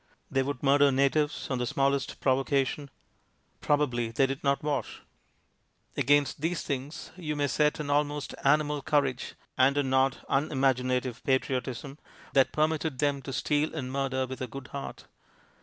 They would murder natives on the smallest provo cation ; probably they did not wash, Against these things you may set an almost animal courage and a not unimaginative patriotism that permitted them to steal and murder with a good heart.